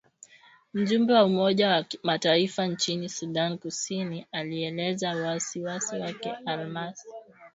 Mjumbe wa Umoja wa Mataifa nchini Sudan Kusini alielezea wasi wasi wake Alhamisi.